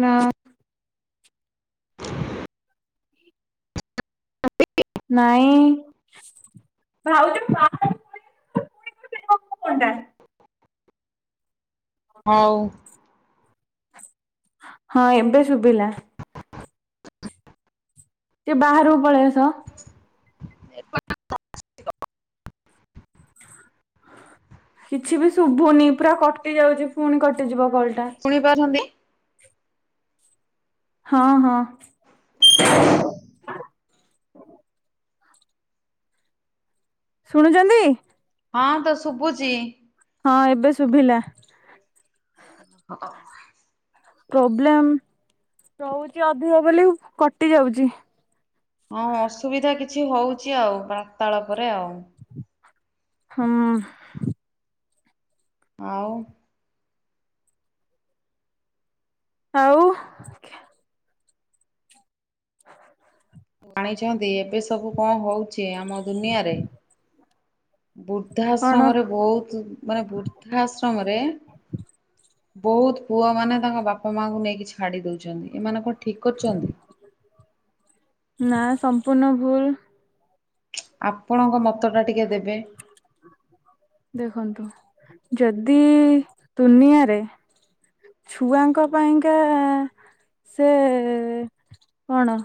ନା। [unintelligible] ନାଇଁ। [unintelligible] ହଉ। ହଁ ଏବେ ଶୁଭିଲା। [unintelligible] ଟିକେ ବାହାରକୁ ପଳେଇ ଆସ। କିଛି ବି ଶୁଭୁନି ପୁରା କଟିଯାଉଛି ଫୁଣି କଟିଯିବ କଲ୍ ଟା। ଶୁଣି ପାରୁଚନ୍ତିି। ହଁ ହଁ। ଶୁଣୁଚନ୍ତି। ହଁ ତ ଶୁଭୁଛି। ହଁ ଏବେ ଶୁଭିଲା। ଅ ହ‌। ପ୍ରୋବ୍ଲେମ ରହୁଛି ଅଧିକ ବୋଲି କଟି ଯାଉଛି। ଆଉଁ ଅସୁବିଧା କିଛି ହଉଛି ଆଉ ବାର୍ତ୍ତାଳାପରେ ଆଉ। ହୁଁ। ଆଉ। ଆଉ। ଜାଣିଛନ୍ତି ଏବେ ସବୁ କଣ ହଉଛି ଆମ ଦୁନିଆରେ। ବୃଦ୍ଧା କଣ ଆଶ୍ରମରେ ବହୁତ ମାନେ ବୃଦ୍ଧା ଆଶ୍ରମରେ। ବହୁତ ପୁଅମାନେ ତାଙ୍କ ବାପା ମାଙ୍କୁ ନେଇକି ଛାଡି ଦଉଛନ୍ତି ଏମାନେ କଣ ଠିକ କରିୁଛନ୍ତି। ନା ସମ୍ପୂର୍ଣ୍ଣ ଭୁଲ। ଆପଣଙ୍କ ମତ ଟା ଟିକେ ଦେବେ। ଦେଖନ୍ତୁ ଯଦି ଦୁନିଆରେ। ଛୁଆଙ୍କ ପାଇଁକା। ସେ କଣ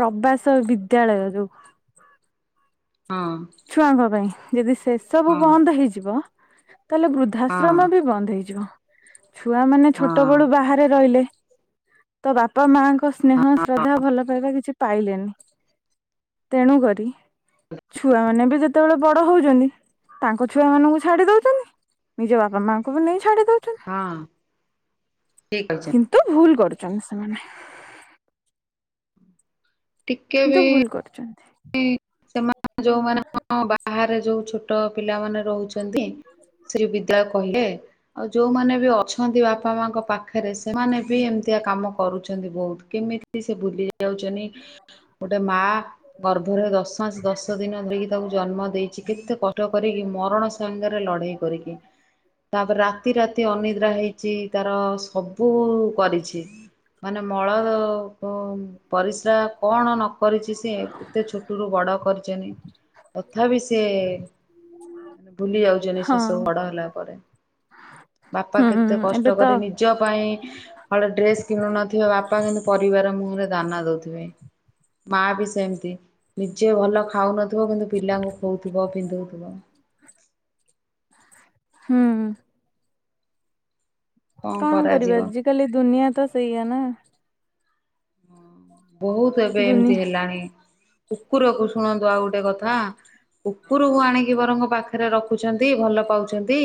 ପ୍ରବାସ ବିଦ୍ୟାଳୟ ଯୋଉ। ହଁ। ଛୁଆଙ୍କ ପାଇଁ ଯଦି ସେ ସବୁ ହଁ ବନ୍ଦ ହେଇଯିବ ତାହେଲେ ବୃ ହଁ ବୃଦ୍ଧାଶ୍ରମ ବି ବନ୍ଦ ହେଇଯିବ ଛୁଆମାନେ ଛୋଟ ହଁ ବେଳୁ ବାହାରେ ରହିଲେ। ତ ବାପା ମାଆଙ୍କ। ସ୍ନେହ ଶ୍ରଦ୍ଧା ଭଲ ପାଇବା କିଛି ପାଇଲେନି ତେଣୁ କରି। ଛୁଆମାନେ ବି ଯେତେବେଳେ ବଡ ହଉଛନ୍ତି ତାଙ୍କ ଛୁଆ ମାନଙ୍କୁ ଛାଡି ଦଉଛନ୍ତି। ନିଜ ବାପା ମାଆଙ୍କୁ ବି ନେଇ ଛାଡ଼ି ଦଉଛନ୍ତି। ହଁ ଠିକ କହିଛନ୍ତି କିନ୍ତୁ ଭୁଲ କରୁଛନ୍ତି ସେମାନେ। କିନ୍ତୁ ଭୁଲ କରୁଛନ୍ତି। କି ସେମାନେ ଯୋଉମାନେ ବାହାରେ ଯୋଉ ଛୋଟ ପିଲାମାନେ ରହୁଛ ଛନ୍ତି ସେଇ ବିଦ୍ୟା କହିଲେ। ଆଉ ଯୋଉମାନେ ବି ଅଛନ୍ତି ବାପା ମାଙ୍କ ପାଖରେ ସେମାନେ ବି ଏମିତିଆ କାମ କରୁଛନ୍ତି ବହୁତ କେମିତି। ସେ ଭୁଲି ଯାଉଛନ୍ତି ଗୋଟେ ମା। ଗର୍ଭରେ ଦଶ ମାଶ ଦିନ ଦିନ ଧରିକି ତାକୁ ଜନ୍ମ ଦେଇଛି କେତେ କ ଷ୍ଟ କରି କି ମରଣ ସାଙ୍ଗରେ ଲଢେଇ କରିକି। ତାପରେ ରାତି ରାତି ଅନିଦ୍ରା ହେଇଛି ତାର ସବୁ କରିଛି। ମାନେ ମଳ ପରିସ୍ରା କଣ ନ କରିଛି ସେ। ଏତେ ଛୋଟରୁୁ ବଡ କରିଚନ୍ତି, ତଥାପି ସେଏ-ଏ ମାନେ ଭୁଲି ଯାଉ ଛନ୍ତି ହଁ ସେସବୁ ବଡ ହେଲା ପରେ, ବାପା ହୁଁ କେତେ କଷ୍ଟ ଏବେ ତ କରି ନି ନିଜ ପାଇଁ ହଳେ ଡ୍ରେସ୍ କିଣୁ ନଥିବେ ବାପା, କିନ୍ତୁ ପରିବାର ମୁହଁରେ ଦାନା ଦଉଥିବେ। ମା ବି ସେମିତି ନିଜେ ଭଲ ଖାଉନଥିବ କିନ୍ତୁ ପିଲାଙ୍କୁ ଖୋଉଥିବ ପିନ୍ଧଉଥିବ। ହୁଁ। କଣ କରିବା ଆଜିକାଲି ଦୁନିଆ ତ ସେଇଆ ନା। ବହୁତ ଏବେ ଏମିତି ଦୁନିଆ ହେଲାଣି। କୁକୁରକୁ ଶୁଣନ୍ତୁ ଆଉ ଗୋଟେ କଥା କୁକୁରକୁ ଆଣିକି ବରଂ ପାଖରେ ରଖ୍ ରଖୁଛନ୍ତି ଭଲ ପାଉଛନ୍ତି,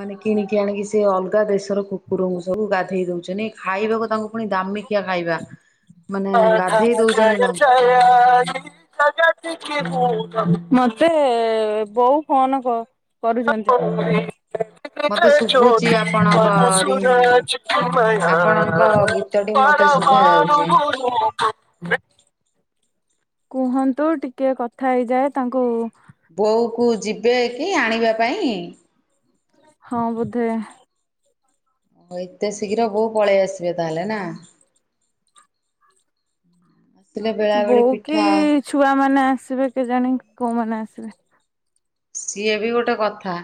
ମାନେ କିଣିକି ଆଣିକି ସେ ଅଲଗା ଦେଶର କୁକୁରଙ୍କୁ ସବୁ ଗାଧେଇ ଦେଉଛନ୍ତି, ଖାଇବାକୁ ତାଙ୍କୁ ପୁଣି ଦାମିକିଆ ଖାଇବା ମାନେ ଆଢା ଗାଧେଇ ଜ ଦଉଛନ୍ତି ତାଙ୍କୁ ଯୟ ମତେ ବୋଉ ଫୋନ କ କରୁଚନ୍ତି। ମତେ ଶୁଭୁଛି ଜ୍ୟୋତି ଆପଣଙ୍କ ରିଂ ମଧସୁରଜ କିମୟା ଆପଣଙ୍କ ଗୀତଟି ମତେ ଶୁଭା ପରବାନ ଯାଉଛି ମୁ କୁହନ୍ତୁ ଟିକେ କଥା ହେଇଯାଏ ତାଙ୍କୁ ବୋଉକୁ ଯିବେ କି ଆଣିବା ପାଇଁ? ହଁ ବୋଧେ। ଓ ଏତେ ଶୀଘ୍ର ବୋଉ ପଳେଇ ଆସିବେ ତାହେଲେ ନା? [inaudible] ଆସିଲେ ବେଳା ବେଳି ବୋଉ କି ପିଠା ଛୁଆମାନେ ଆସିବେ କେଜାଣି କୋଉମାନେ ଆସିବେ। ସିଏ ବି ଗୋଟେ କଥା,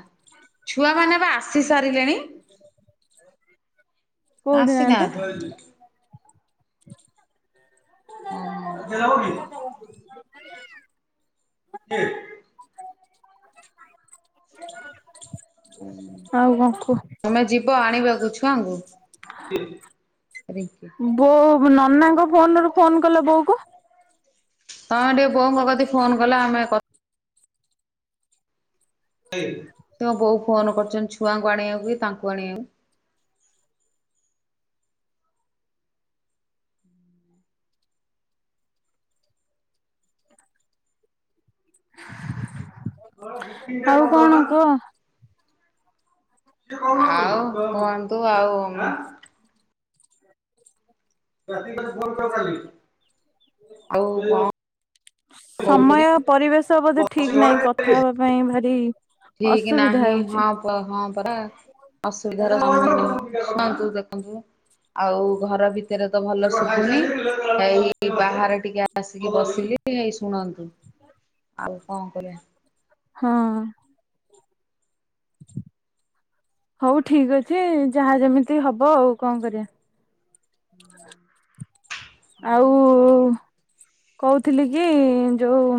ଛୁଆମାନେ ପା ଆ ଆସି ସାରିଲେଣି, କୋଉଠି ନାହାନ୍ତି ଆସିନାହାନ୍ତି। [inaudible] [inaudible] ହୁଁ ଆଉ କଣ କୁହ। ତମେ ଯିବ ଆଣିବାକୁ ଛୁଆଙ୍କୁ? ବୋଉ ନନାଙ୍କ ଫୋନରୁ ଫୋନ୍ କଲ ବୋଉକୁ। ତମେ ଟିକେ ବୋଉଙ୍କ କତିକି ଫୋନ କଲ ଆମେ କ ତାଙ୍କ ବୋଉ ଫୋନ୍ କରୁଛନ୍ତି ଛୁଆଙ୍କୁ ଆଣିବାକୁ କି ତାଙ୍କୁ ଆଣିବାକୁ। ଆଉ ଆଉ କଣ କୁହ? ଆଉ କୁହନ୍ତୁ ଆଉ। ଆଉ କଣ ସମୟ ପରିବେଶ ବୋଧେ ଠିକ୍ ନାହିଁ କହୁଥିଲି? କଥା ହେବା ପାଇଁ ଭାରି ଠିକ୍ ଅସୁବିଧା ନାହିଁ ହେଉଛି। [inaudible] ହଁ ପରା ଅସୁବିଧାର ସମ୍ମୁଖିନ ଶୁଣନ୍ତୁ ଦେଖନ୍ତୁ ଆଉ ଘର ଭିତରେ ତ ଭଲ ଶୁଭୁନି ଏଇ ବାହାରେ ଟିକେ ଆ ଆସିକି ବସିଲି ଏଇ ଶୁଣନ୍ତୁ, ଆଉ କଣ କରିବା। ହଁ। ହଉ ଠିକ୍ ଅଛି ଯାହା ଯେମିତି ହବ ଆଉ କଣ କରିବା। ହୁଁ ଆଉ-ଉ-ଉ କହୁଥିଲି କି ଯୋଉ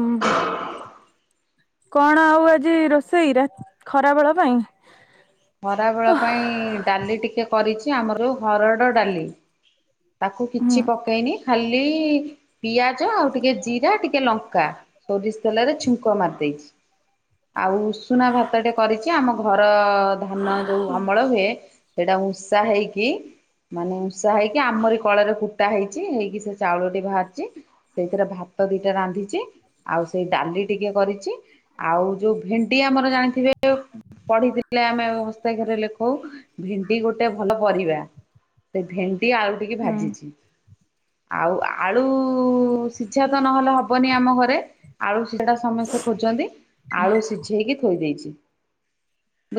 କଣ ଆଉ ଆଜି ରୋଷେଇରେ ଖରାବେଳ ପାଇଁ। ଖରାବେଳ ପାଇଁ ଡାଲି ଟିକେ କରିଛି ଆମର ଯୋଉ ହରଡ଼ ଡାଲି ତାକୁ ହୁଁ କିଛି ପକେଇନି ଖାଲି ପିଆଜ ଆଉ ଟିକେ ଜିରା ଟିକ୍ ଟିକେ ଲଙ୍କା, ସୋରିଷ ତେଲରେ ଛୁଙ୍କ ମାରି ଦେଇଛି। ଆଉ ଉଷୁନା ଭାତଟେ କରିଛି ଆମ ଘର ଧାନ ଯୋଉ ଅମଳ ହୁଏ। ସେଇଟା ଉଁଷା ହେଇକି ମାନେ ଉଷା ହେଇକି ଆମରି କଳରେ କୁଟା ହେଇଛି ହେଇକି ସେ ଚାଉଳଟି ବାହାରିଛି ସେଇଥିରେ ଭାତ ଦିଟା ରାନ୍ଧିଛି। ଆଉ ସେଇ ଡାଲି ଟିକେ କରିଛି ଆଉ ଯୋଉ ଭେଣ୍ଡି ଆମର ଜାଣିଥିବେ ପଢିଥିଲେ ଆମେ ହସ୍ତାଖରେ ଲେଖୁ ହ ଭେଣ୍ଡି ଗୋଟେ ଭଲ ପରିବା ସେ ଭେଣ୍ଡି ଆଳୁ ଟିକେ ହୁଁ। ଭାଜିଛି। ଆଉ ଆଳୁ ସିଝା ତ ନହେଲେ ହବନି ଆମ ଘରେ। ଆଳୁ ସିଝା ସମସ୍ତେ ଖୋଜନ୍ତି ଆଳୁ ସିଝେଇକି ଥୋଇ ଦେଇଛି।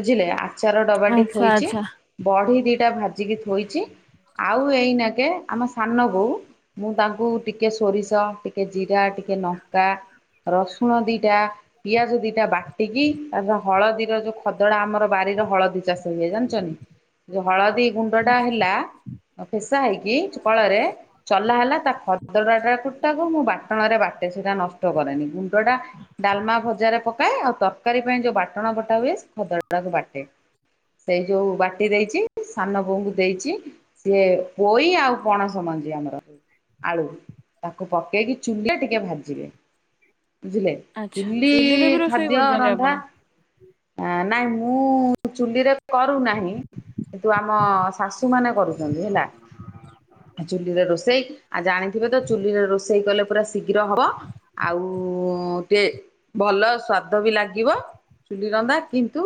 ବୁଝିଲେ ଆଚାର ଡବାଟି ଆଚ୍ଛା ଥୋଇଛି ଆଚ୍ଛା ବଢି ଦିଟା ଭାଜିକି ଥୋଇଛି। ଆଉ ଏଇନା କେ ଆମ ସାନ ବୋଉ ମୁଁ ତାଙ୍କୁ ଟିକେ ସୋରିଷ ଟିକେ ଜିରା ଟିକେ ନକା ରସୁଣ ଦିଟା ପିଆଜ ଦିଟା ବାଟିକି ତା ହଳଦୀର ଯୋଉ ଖଦଡା ଆମର ବାରିର ହଳଦୀ ଚାଷ ହୁଏ ଜାଣିଛନ୍ତି, ଯଉ ହଳଦୀ ଗୁଣ୍ଡଟା ହେଲା ଆଉ ଫେସା ହେଇକି କଳରେ। ଚଲା ହେଲା ତା ଖଦାଡାଟା କୁଟାକୁ ମୁଁ ବାଟଣାରେ ବାଟେ ସେଟା ନଷ୍ଟ କରେନି। ଗୁଣ୍ଡଟା ଡାଲମା ଭଜାରେ ପକାଏ ଆଉ ତରକାରୀ ପାଇଁ ଯୋଉ ବାଟଣା ବଟା ହୁଏ ଖଦଡାକୁ ବାଟେ। ସେଇ ଯୋଉ ବାଟି ଦେଇଛି ସାନ ବୋଉଙ୍କୁ ଦେଇଛି। ସିଏ ପୋଇ ଆଉ ପଣସ ମଞ୍ଜି ଆମର। ଆଳୁ ତାକୁ ପକେଇକି ଚୁଲିରେ ଟିକେ ଭାଜିବେ, ବୁଝିଲେ? ଆଚ୍ଛା ଚୁଲି ଚୁଲିରେ ବି ରୋଷେଇ ଖାଦ୍ୟ କରୁଛନ୍ତି ରନ୍ଧା, ଆପଣ? ନାଇଁ ମୁଁ ମୁଁ ଚୁଲିରେ କରୁନାହିଁ କିନ୍ତୁ ଆମ ଶାଶୁମାନେ କରୁଛନ୍ତି ହେଲା। ଚୁଲିରେ ରୋଷେଇ ଆଉ ଜାଣିଥିବେ ତ ଚୁଲିରେ ରୋଷେଇ କଲେ ପୁରା ଶୀଘ୍ର ହବ। ଆଉ ଟିକେ ଭଲ ସ୍ଵାଦ ବି ଲାଗିବ। ଚୁଲି ରନ୍ଧା କିନ୍ତୁ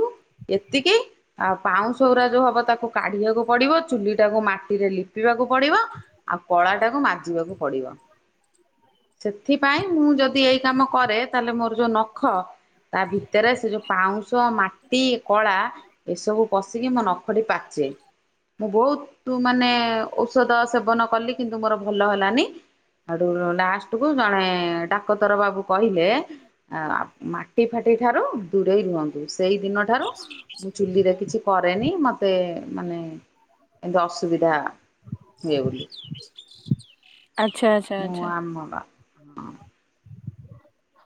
ଏତିକି ଆ ପାଉଁଶ ଗୁରା ଯୋଉ ହବ ତାକୁ କାଢିବାକୁ ପଡିବ ଚୁଲିଟାକୁ ମାଟିରେ ଲିପିବାକୁ ପଡିବ। ଆଉ କଳାଟାକୁ ମାଜିବାକୁ ପଡିବ। ସେଥିପାଇଁ ମୁଁ ଯଦି ଏଇ କାମ କରେ ତାହେଲେ ମୋର ଯୋଉ ନଖ ତା ଭିତରେ ସେ ଯୋଉ ପାଉଁଶ ମାଟି କଳା ଏସବୁ ପଶିକି ମୋ ନଖଟି ପାଚେ। ମୁଁ ବହୁତ ମାନେ ଔଷଧ ସେବନ କଲି କିନ୍ତୁ ମୋର ଭଲ ହେଲାନି। ହେଟୁ ଲାଷ୍ଟକୁ ଜଣେ ଡାକତର ବାବୁ କହିଲେ ଆ ମାଟି ଫାଟି ଠାରୁ ଦୂରେଇ ରୁହନ୍ତୁ। ସେଇ ଦିନଠାରୁ ମୁଁ ଚୁଲିରେ କିଛି କରେନି ମତେ ମାନେ ଏମିତି ଅସୁବିଧା ହୁଏ ବୋଲି। ଆଚ୍ଛା ଆଚ୍ଛା ମୁଁ ଆଛା। [inaudible]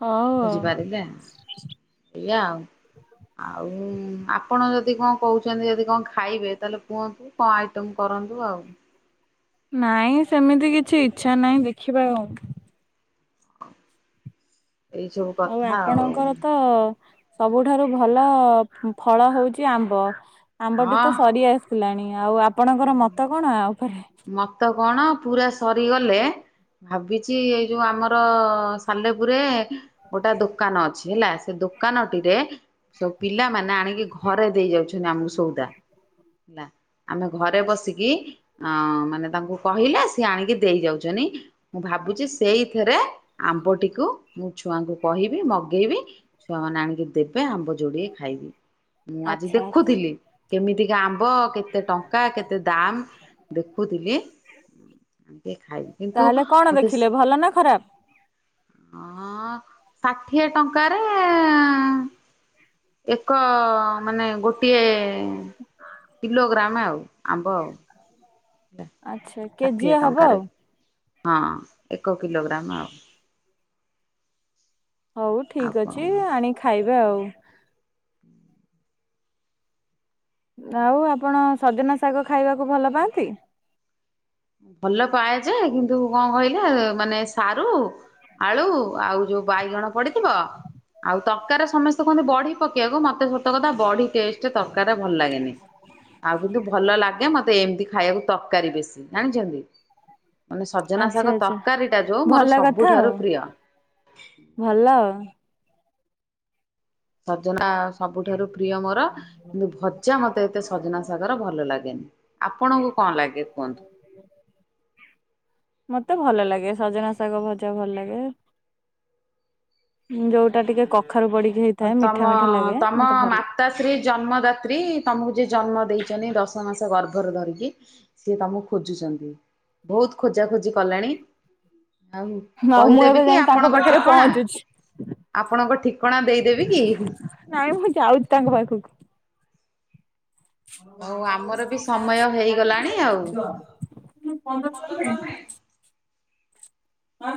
ହଉ ଆଉ। ବୁଝିପାରିଲେ ଏଇଆ ଆଉ। ଆଉ ଆପଣ ଯଦି କଣ କହୁଛନ୍ତି ଯଦି କଣ ଖାଇବେ ତାହେଲେ କୁହନ୍ତୁ? କଣ ଆଇଟମ କରନ୍ତୁ ଆଉ ନାଇଁ ସେମିତି କିଛି ଇଛା ନାହିଁ ଦେଖିବା ଆଉ। ଏଇ ସବୁ ଆଉ ଆପଣଙ୍କର ତ ସବୁଠାରୁ ଭଲ ଫଳ ହଉଛି ଆମ୍ବ, ଆମ୍ବଟି ତ ସରି ଆସ ହେଲାଣି। ଆଉ ଆପଣଙ୍କର [inaudible] [inaudible] ମତ କଣ ପୁରା ସରିଗଲେ ଭାବିଛି ଏଇ ଯୋଉ ଆମର ସାଲେପୁରେ ଗୋଟେ ଦୋକାନ ଅଛି ହେଲା, ସେ ଦୋକାନଟିରେ ସବୁ ପିଲାମାନେ ଆଣିକି ଘରେ ଦେଇ ଯାଉଛନ୍ତି ଆମକୁ ସଉଦା। ହେଲା ଆମେ ଘରେ ବସିକି। ହଁ ମାନେ ତାଙ୍କୁ କହିଲେ ସିଏ ଆଣିକି ଦେଇ ଯାଉଛନ୍ତି। ମୁଁ ଭାବୁଛି ସେଇଥିରେ ଆମ୍ବଟିକୁ ମୁଁ ଛୁଆଙ୍କୁ କହିବି ମଗେଇବି। ଛୁଆମାନେ ଆଣିକି ଦେବେ ଆମ୍ବ ଯୋଡ଼ିଏ ଖାଇବି। ମୁଁ ଆଜି ଆଚ୍ଛା ଆଚ୍ଛା ଦେଖୁଥିଲି କେମିତିକା ଆମ୍ବ କେତେ ଟଙ୍କା କେତେ ଦା ଦେଖୁଥିଲି ଖାଇବି କିନ୍ତୁ ତାହେଲେ କଣ ମତେ ଦେଖିଲେ ଭଲ ନା ଖରାପ? ହଁ ଷାଠିଏ ଟଙ୍କାରେ ଏକ ମାନେ ଗୋଟିଏ କିଲୋଗ୍ରାମ ଆଉ ଆମ୍ବ ଆଉ। ହେଲା ଆଛା ଷାଠିଏ କେଜିଏ ହବ ଟଙ୍କାରେ ଆଉ। ହଁ ଏକ କିଲୋଗ୍ରାମ ଆଉ। ହଉ ଆଉ ଠିକ କଣ ଅଛି ଆଣିକି ଖାଇବା ଆଉ। ଆଉ ଆପଣ ସଜନା ଶାଗ ଖାଇବାକୁ ଭଲ ପାଆନ୍ତି। ଭଲପାଏ ଯେ କିନ୍ତୁ କଣ କହିଲେ ମାନେ ସାରୁ ଆଳୁ ଆଉ ଯୋଉ ବାଇଗଣ ପଡ଼ିଥିବ। ଆଉ ତରକାରୀରି ସମସ୍ତେ କୁହନ୍ତି ବଢି ପକେଇବାକୁ ମତେ ସତ କଥା ବଢି ଟେଷ୍ଟ ତରକାରୀରେ ଭଲ ଲାଗେନି। ଆଉ କିନ୍ତୁ ଭଲ ଲାଗେ ମତେ ଏମିତି ଖାଇବାକୁ ତରକାରୀ ବେଶୀ। ଜାଣିଛନ୍ତି ମାନେ ସଜନା ଆଚ୍ଛା ଶାଗ ଆଚ୍ଛା ତରକାରୀଟା ଯୋଉଁ ଭଲ ମୋର କଥା ଆଉ ସବୁଠାରୁ ପ୍ରିୟ। ଭଲ ଆଉ। ସଜନା ସବୁଠାରୁ ପ୍ରିୟ ମୋର କିନ୍ତୁ ଭଜା ମତେ ଏତେ ସଜନା ସାଗର ଭଲ ଲାଗେନି। ଆପଣଙ୍କୁ କଣ ଲାଗେ କୁହନ୍ତୁ? ମତେ ଭଲ ଲାଗେ ସଜନା ଶାଗ ଭଜା ଭଲ ଲାଗେ। ଯୋଉଟା ଟିକେ କଖାରୁ ପଡ଼ିକି ହୋଇଥାଏ ମିଠା ମିଠା ଲାଗେ ମତେ ଭଲ ଲା ମତାଶ୍ରି ଜନ୍ମଦାତ୍ରୀ ତମକୁ ଯିଏ ଜନ୍ମ ଦେଇଛନ୍ତି ଦଶ ମାସ ଗର୍ଭରେ ଧରିକି। ସିଏ ତମକୁ ଖୋଜୁଛନ୍ତି ବହୁତ ଖୋଜା ଖୋଜି କଲାଣି। ଆଉ ଆଉ ମୁଁ କହିଦେବି ଏବେ କି ଯାଇକି ତାଙ୍କ ଆପଣଙ୍କ ପାଖରେ ଠିକଣା ପହଞ୍ଚୁଛି ଆପଣଙ୍କ ଠିକଣା ଦେଇ ଦେବି କି? ନାଇଁ ମୁଁ ଯାଉଛି ତାଙ୍କ ପାଖକୁ। ଆଉ ଆମର ବି ସମୟ ହେଇଗଲାଣି ଆଉ। [inaudible] ହଁ।